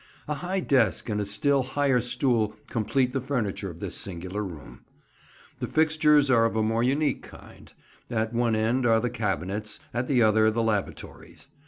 A high desk and a still higher stool complete the furniture of this singular room. The fixtures are of a more unique kind; at one end are the cabinets, at the other the lavatories.